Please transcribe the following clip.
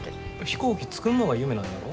飛行機作んのが夢なんやろ？